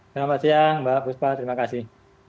selamat siang mbak puspa terima kasih